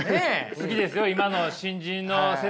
好きですよ